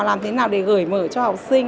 làm thế nào để gửi mở cho học sinh